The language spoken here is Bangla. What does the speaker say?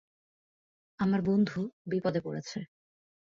আমার বন্ধু বিপদে পড়েছে।